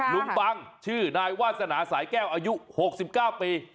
ลุงบังชื่อนายวาสนาสายแก้วอายุ๖๙ปี